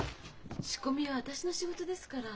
仕込みは私の仕事ですから。